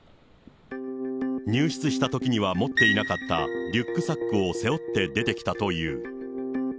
入室したときには持っていなかった、リュックサックを背負って出てきたという。